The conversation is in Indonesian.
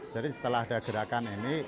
jadi setelah ada gerakan ini